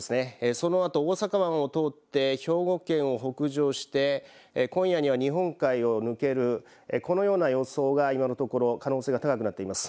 そのあと大阪湾を通って兵庫県を北上して今夜には日本海を抜けるこのような予想が今のところ可能性が高くなっています。